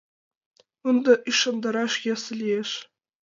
Ынде ӱшандараш йӧсӧ лиеш.